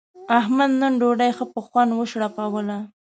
احمد نن ډوډۍ ښه په خوند و شړپوله.